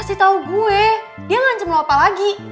kasih tau gue dia ngancem lo apa lagi